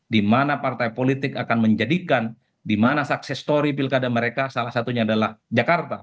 di mana partai politik akan menjadikan di mana sukses story pilkada mereka salah satunya adalah jakarta